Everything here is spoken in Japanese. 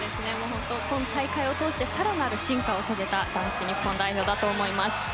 今大会を通してさらなる進化を遂げた男子日本代表だと思います。